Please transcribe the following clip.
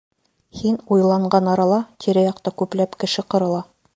Һин уйланған арала, тирә-яҡта күпләп кеше ҡырыла.